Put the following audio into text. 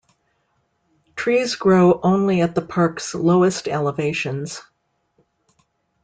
Trees grow only at the park's lowest elevations.